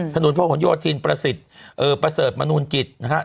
ถนนโพธิโยธินประสิทธิ์ประเสริฐมนูนกิจ